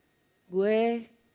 yang orang tidak tahu juga adalah